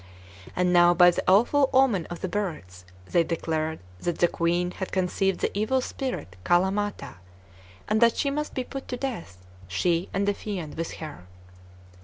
And now, by the awful omen of the birds, they declared that the Queen had conceived the evil spirit Kala Mata, and that she must be put to death, she and the fiend with her.